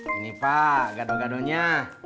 ini pak gaduh gaduhnya